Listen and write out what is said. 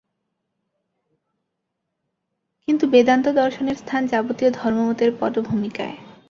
কিন্তু বেদান্ত-দর্শনের স্থান যাবতীয় ধর্মমতের পটভূমিকায়।